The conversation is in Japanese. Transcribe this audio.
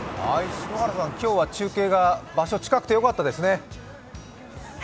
篠原さん、今日は中継が場所が近くてよかったですね。